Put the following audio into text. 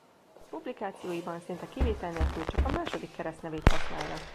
Publikációiban szinte kivétel nélkül csak a második keresztnevét használja.